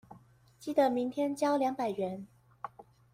記得明天交兩百元